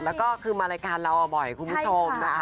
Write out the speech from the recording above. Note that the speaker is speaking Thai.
แล้วก็คือมารายการเราบ่อยคุณผู้ชมนะคะ